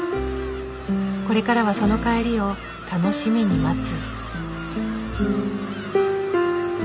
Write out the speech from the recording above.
これからはその帰りを楽しみに待つ。